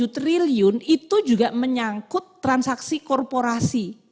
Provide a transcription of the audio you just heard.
delapan belas tujuh triliun itu juga menyangkut transaksi korporasi